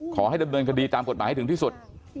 ขอให้ดำเนินคดีตามกฎหมายให้ถึงที่สุด